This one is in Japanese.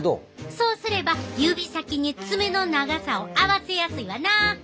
そうすれば指先に爪の長さを合わせやすいわな。